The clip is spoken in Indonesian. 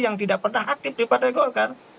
yang tidak pernah aktif di partai golkar